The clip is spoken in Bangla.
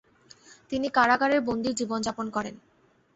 তিনি কারাগারের বন্দির জীবনযাপন করেন।